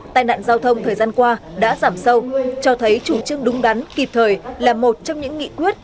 tai nạn giao thông thời gian qua đã giảm sâu cho thấy chủ trương đúng đắn kịp thời là một trong những nghị quyết